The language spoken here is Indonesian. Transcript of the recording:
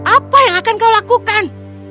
apa yang akan kau lakukan